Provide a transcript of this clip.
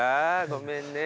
ごめんね。